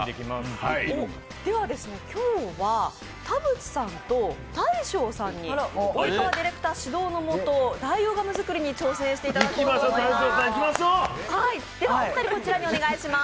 今日は田渕さんと大昇さんに及川ディレクター指導のもと代用ガム作りに挑戦していただこうと思います。